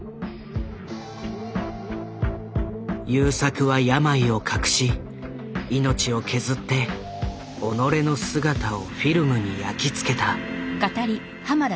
優作は病を隠し命を削って己の姿をフィルムに焼き付けた。